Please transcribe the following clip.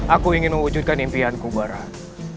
aku ingin mewujudkan impianku barat